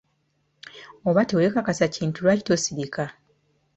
Oba tewekakasa kintu lwaki tosirika?